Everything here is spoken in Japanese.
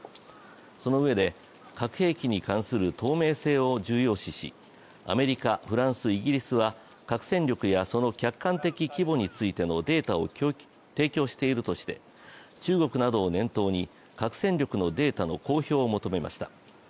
そのうえで核兵器に関する透明性を重要視しアメリカ、フランス、イギリスは核戦力やその客観的規模についてのデータを提供しているとして中国などを念頭に核戦力のデータの公表を求めました。